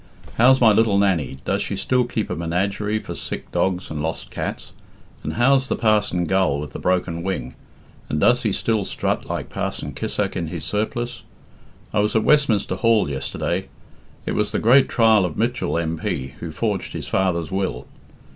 ... "How's my little Nannie? Does she still keep a menagerie for sick dogs and lost cats? And how's the parson gull with the broken wing, and does he still strut like Parson Kis sack in his surplice? I was at Westminster Hall yesterday. It was the great trial of Mitchell, M. P., who forged his father's will.